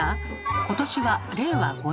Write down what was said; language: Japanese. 今年は令和５年。